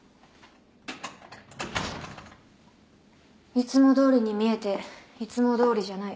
いつもどおりに見えていつもどおりじゃない。